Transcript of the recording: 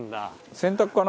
洗濯かな？